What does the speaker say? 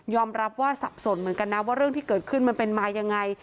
รับว่าสับสนเหมือนกันนะว่าเรื่องที่เกิดขึ้นมันเป็นมายังไง